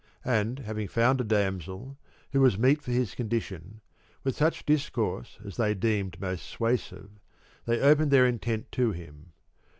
And, having found a damsel who was meet for his condition, with such dis course as they deemed most suasive, they opened their intent to him.